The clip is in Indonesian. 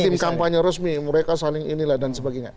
tim kampanye resmi mereka saling inilah dan sebagainya